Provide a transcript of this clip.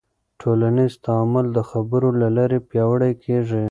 ټولنیز تعامل د خبرو له لارې پیاوړی کېږي.